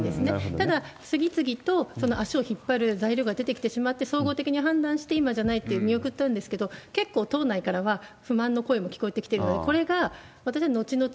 ただ、次々と足を引っ張る材料が出てきてしまって、総合的に判断して今じゃないと見送ったんですけれども、結構党内からは不満の声も聞こえてきてるので、これが私はのちのち